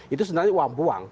itu sebenarnya uang buang